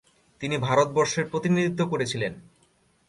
তিনি ভারতবর্ষের প্রতিনিধিত্ব করেছিলেন।